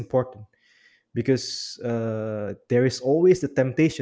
terutama di negara yang berhasil